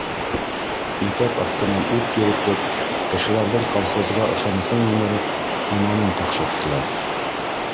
Итәк аҫтынан ут йөрөтөп, кешеләрҙең колхозға ышанысын емереп, иманын ҡаҡшаттылар!